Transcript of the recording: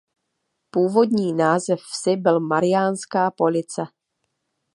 Původní název vsi byl Mariánská Police.